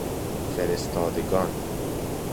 فرستادگان